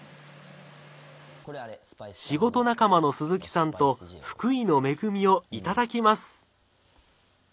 仕事仲間の鈴木さんと福井の恵みを頂きます。